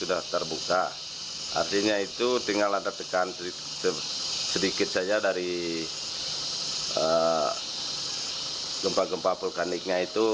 sudah terbuka artinya itu tinggal ada tekan sedikit saja dari gempa gempa vulkaniknya itu